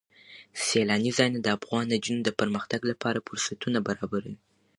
سیلانی ځایونه د افغان نجونو د پرمختګ لپاره فرصتونه برابروي.